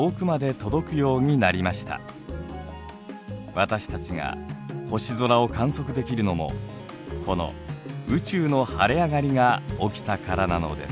私たちが星空を観測できるのもこの宇宙の晴れ上がりが起きたからなのです。